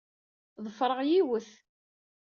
Ḍefreɣ yiwet.